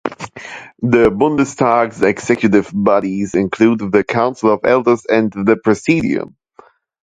The Bundestag's executive bodies include the Council of Elders and the Presidium.